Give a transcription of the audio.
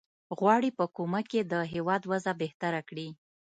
غواړي په کومک یې د هیواد وضع بهتره کړي.